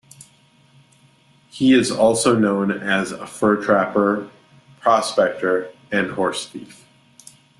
He is also known as a fur trapper, prospector, and horse thief.